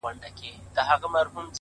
وخت د فرصت جامه اغوندي’